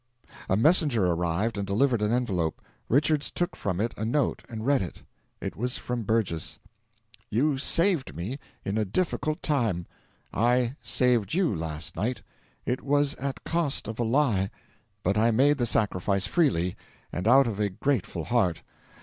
A messenger arrived and delivered an envelope. Richards took from it a note and read it; it was from Burgess: "You saved me, in a difficult time. I saved you last night. It was at cost of a lie, but I made the sacrifice freely, and out of a grateful heart.